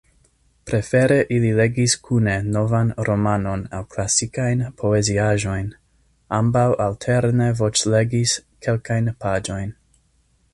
Prefere ili legis kune novan romanon aŭ klasikajn poeziaĵojn; ambaŭ alterne voĉlegis kelkajn paĝojn.